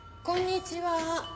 こんにちは。